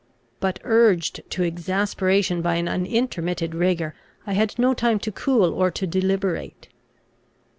But, urged to exasperation by an unintermitted rigour, I had no time to cool or to deliberate.